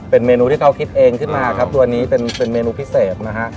เป็นเมนูที่เขาคิดเองขึ้นมาครับตัวนี้เป็นเมนูพิเศษนะฮะ